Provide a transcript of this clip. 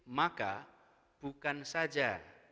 maka bukan saja